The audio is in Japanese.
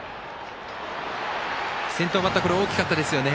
先頭バッター、大きかったですね。